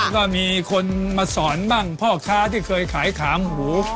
ก็มีคนมาสอนบ้างพ่อค้าที่เคยขายขามหู